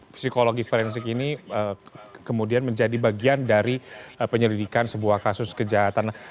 psikologi forensik ini kemudian menjadi bagian dari penyelidikan sebuah kasus kejahatan